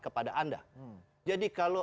kepada anda jadi kalau